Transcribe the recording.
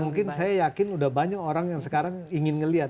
dan mungkin saya yakin udah banyak orang yang sekarang ingin ngelihat